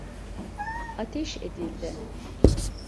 Ateş edildi!